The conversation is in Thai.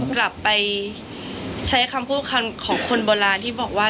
กลับไปใช้คำพูดคำของคนโบราณที่บอกว่า